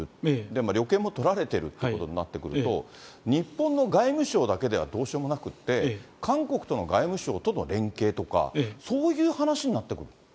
で、旅券も取られてるっていうことになってくると、日本の外務省だけではどうしようもなくて、韓国との外務省との連携とか、そういう話になってくる？